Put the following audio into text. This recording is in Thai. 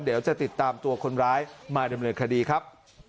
เดี๋ยวจะติดตามตัวคนร้ายมาดำเนินคดีครับ